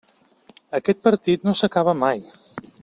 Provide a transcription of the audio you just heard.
Aquest partit no s'acaba mai.